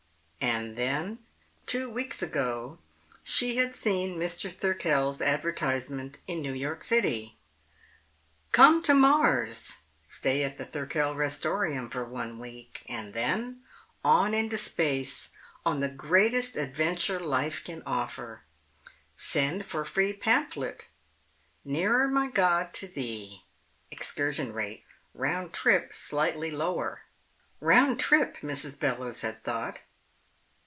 And then, two weeks ago, she had seen Mr. Thirkell's advertisement in New York City: COME TO MARS! Stay at the Thirkell Restorium for one week. And then, on into space on the greatest adventure life can offer! Send for Free Pamphlet: "Nearer My God To Thee." Excursion rates. Round trip slightly lower. "Round trip," Mrs. Bellowes had thought.